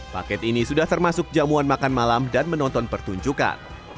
paket ini sudah termasuk jamuan makan malam dan menonton pertunjukan